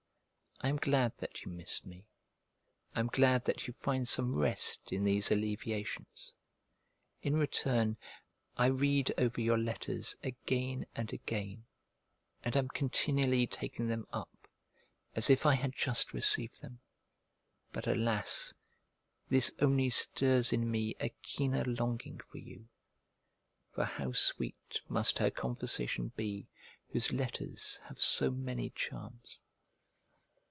I am glad that you miss me; I am glad that you find some rest in these alleviations. In return, I read over your letters again and again, and am continually taking them up, as if I had just received them; but, alas! this only stirs in me a keener longing for you; for how sweet must her conversation be whose letters have so many charms?